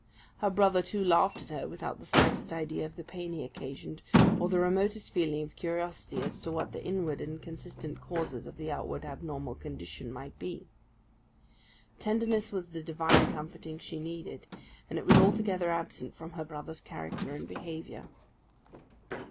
Her brother, too, laughed at her without the slightest idea of the pain he occasioned, or the remotest feeling of curiosity as to what the inward and consistent causes of the outward abnormal condition might be. Tenderness was the divine comforting she needed; and it was altogether absent from her brother's character and behaviour.